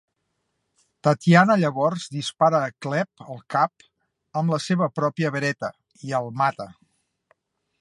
Tatiana llavors dispara a Klebb al cap amb la seva pròpia Beretta i el mata.